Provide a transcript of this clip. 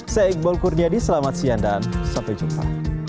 saya iqbal kurnia di selamat siang dan sampai jumpa